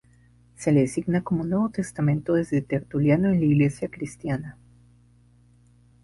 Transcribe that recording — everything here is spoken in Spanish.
Se le designa como Nuevo Testamento desde Tertuliano en la Iglesia cristiana.